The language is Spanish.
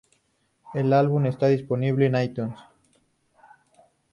El álbum está disponible en iTunes.